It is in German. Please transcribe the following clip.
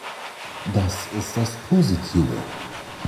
Das ist das Positive.